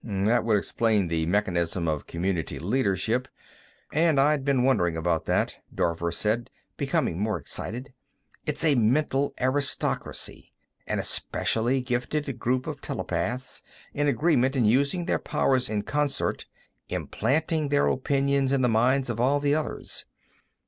"That would explain the mechanism of community leadership, and I'd been wondering about that," Dorver said, becoming more excited. "It's a mental aristocracy; an especially gifted group of telepaths, in agreement and using their powers in concert, implanting their opinions in the minds of all the others.